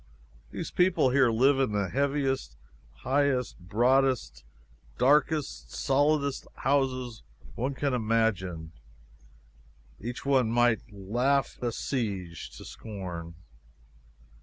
These people here live in the heaviest, highest, broadest, darkest, solidest houses one can imagine. Each one might "laugh a siege to scorn."